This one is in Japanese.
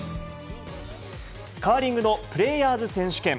カーリングのプレーヤーズ選手権。